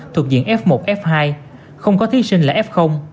thuộc diện f một f hai không có thí sinh là f